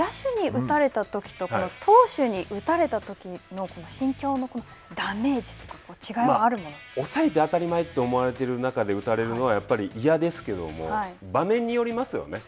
野手に打たれたときと、投手に打たれたときの、心境のダメージ抑えて当たり前と思われている中で打たれるのは、嫌ですけども、場面によりますよね。